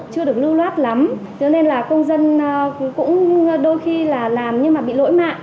chưa được lưu loát lắm cho nên là công dân cũng đôi khi là làm nhưng mà bị lỗi mạng